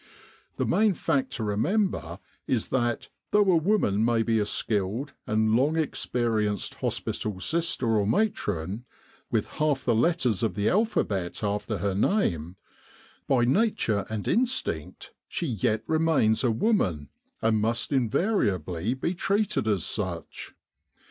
The main fact to remember is that, though a woman may be a skilled and long experienced hospital sister or matron, with half the letters of the alphabet after her name, by nature and instinct she yet remains a woman and must invariably be treated as such.